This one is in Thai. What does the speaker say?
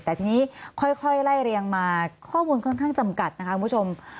แต่ทีนี้ค่อยไล่เรียงมาข้อมูลค่อนข้างจำกัดนะคะคุณผู้ชม